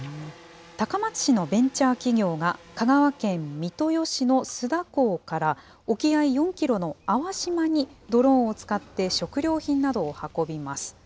高松市のベンチャー企業が香川県三豊市の須田港から、沖合４キロの粟島に、ドローンを使って食料品などを運びます。